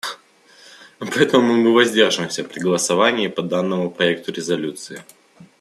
Поэтому мы воздержимся при голосовании по данному проекту резолюции.